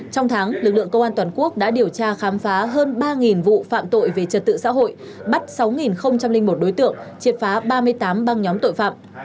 xúc xã hội bắt sáu một đối tượng triệt phá ba mươi tám băng nhóm tội phạm